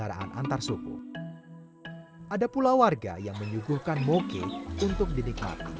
jumlah sumber rumah adat di desa waru peli satu yang dihuni oleh sebelas suku mereka disambut oleh setiap keluarga yang mendiami rumah adat